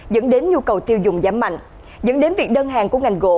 dẫn đến nhu cầu tiêu dùng giảm mạnh dẫn đến việc đơn hàng của ngành gỗ